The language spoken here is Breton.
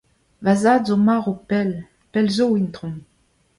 Va zad a zo marv pell, pell zo, itron.